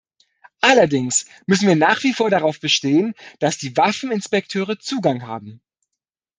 Allerdings müssen wir nach wie vor darauf bestehen, dass die Waffeninspekteure Zugang haben.